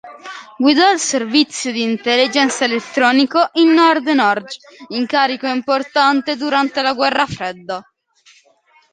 Guidò il servizio di intelligence elettronico in Nord-Norge, incarico importante durante la guerra fredda.